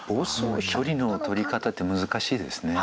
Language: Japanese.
距離の取り方って難しいですね。